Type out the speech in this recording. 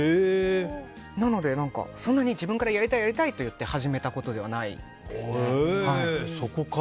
なので、そんなに自分からやりたい、やりたいと言って始めたことではないですね。